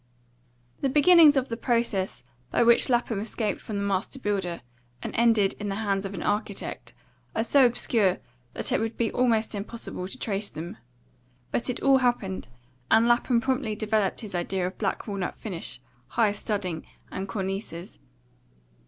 The beginnings of the process by which Lapham escaped from the master builder and ended in the hands of an architect are so obscure that it would be almost impossible to trace them. But it all happened, and Lapham promptly developed his ideas of black walnut finish, high studding, and cornices.